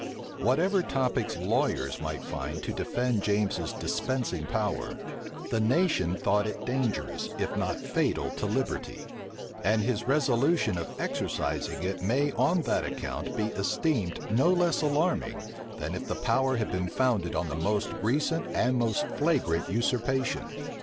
Whatever topics lawyers might find to defend James's dispensing power, the nation thought it dangerous, if not fatal, to liberty; and his resolution of exercising it may on that account be esteemed no less alarming, than if the power had been founded on the most recent and most flagrant usurpation.